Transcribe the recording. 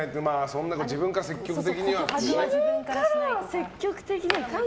自分から積極的にはみたいな。